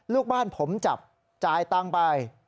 ลูกบ้านผมจับจ่ายตังค์ไป